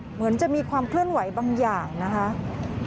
เหมือนจะมีความเคลื่อนไหวบางอย่างนะคะ